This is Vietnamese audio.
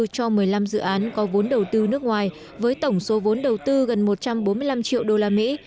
cho một mươi năm dự án có vốn đầu tư nước ngoài với tổng số vốn đầu tư gần một trăm bốn mươi năm triệu usd